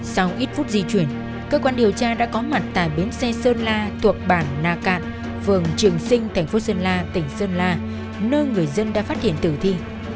sau ít phút di chuyển cơ quan điều tra đã có mặt tại bến xe sơn la thuộc bản nà cạn phường trường sinh thành phố sơn la tỉnh sơn la nơi người dân đã phát hiện tử thi